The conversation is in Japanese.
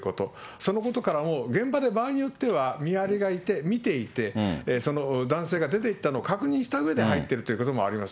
そのことからも、現場で場合によっては、見張りがいて、見ていて、その男性が出ていったのを確認したうえで入ってるということもあります。